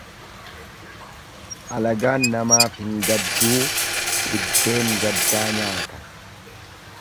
Alagaan namaaf hin gadduu biddeen gaddaa nyaata.